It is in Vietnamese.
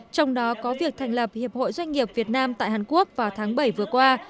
trong đó có việc thành lập hiệp hội doanh nghiệp việt nam tại hàn quốc vào tháng bảy vừa qua